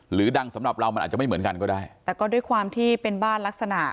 ดังสำหรับเรามันอาจจะไม่เหมือนกันก็ได้แต่ก็ด้วยความที่เป็นบ้านลักษณะ